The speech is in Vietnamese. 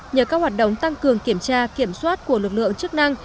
nhờ các hoạt động tăng cường kiểm tra kiểm soát của lực lượng chức năng